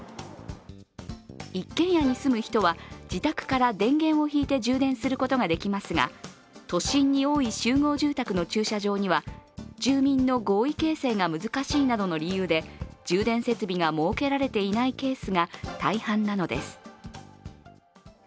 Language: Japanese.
一軒家に住む人は自宅から電源を引いて充電することができますが都心に多い集合住宅の駐車場には住民の合意形成が難しいなどの理由で充電設備が設けられていないケースが大半なのです。